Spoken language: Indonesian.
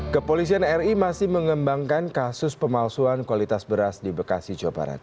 kepolisian ri masih mengembangkan kasus pemalsuan kualitas beras di bekasi jawa barat